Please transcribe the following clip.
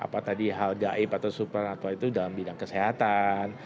yang tadi hal gaib atau supranatural itu dalam bidang kesehatan